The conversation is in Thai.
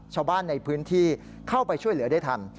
ชาวบ้านในพื้นที่เข้าไปช่วยเหลือได้ทัน